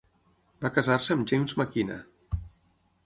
Va casar-se amb James McKenna.